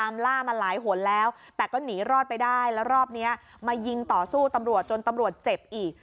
มายิงต่อสู้ตำรวจจนตำรวจเจ็บอีก